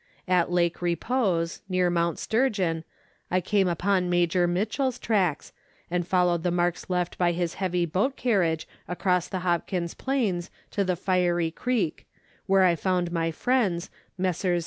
At Lake Repose, near Mount Sturgeon, I came upon Major Mitchell's tracks, and followed the marks left by his heavy boat carriage across the Hopkins Plains to the Fiery Creek, where I found my friends, Messrs.